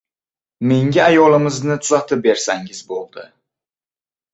Menga ayolimizni tuzatib bersangiz bo‘ldi.